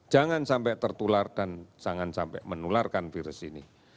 jangan sampai tertular dan jangan sampai menularkan virus ini